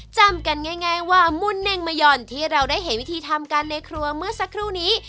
จำกันง่ายว่ามุนเน่งมะหย่อนที่เราได้เห็นวิธีทำกันในครัวเมื่อสักครู่นี้